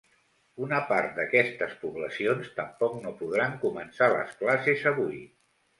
Una part d’aquestes poblacions tampoc no podran començar les classes avui.